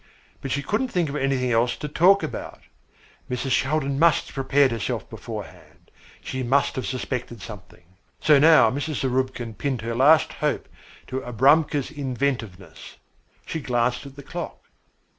But she couldn't think of anything else to talk about. Mrs. Shaldin must have prepared herself beforehand. She must have suspected something. So now Mrs. Zarubkin pinned her last hope to Abramka's inventiveness. She glanced at the clock.